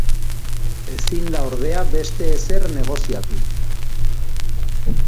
Ezin da ordea beste ezer negoziatu.